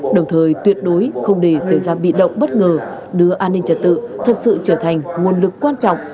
đồng thời tuyệt đối không để xảy ra bị động bất ngờ đưa an ninh trật tự thực sự trở thành nguồn lực quan trọng